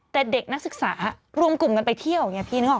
แต่เด็กนักศึกษารวมกลุ่มกันไปเที่ยวอย่างนี้